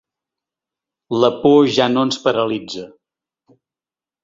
La por ja no ens paralitza.